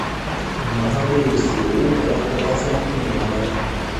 mu mahanga yose uhoraho azakwimuriramo,